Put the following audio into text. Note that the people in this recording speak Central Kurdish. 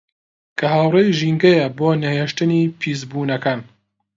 کە هاوڕێی ژینگەیە بۆ نەهێشتنی پیسبوونەکان